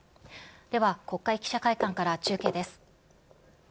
では国会記者会館から中継です。